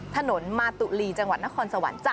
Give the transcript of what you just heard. ถนนมาตุลีจังหวัดนครสวรรค์จ้ะ